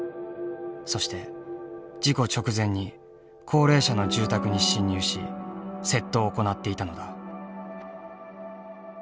そして事故直前に高齢者の住宅に侵入し窃盗を行っていたのだ。